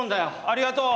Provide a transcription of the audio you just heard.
ありがとう！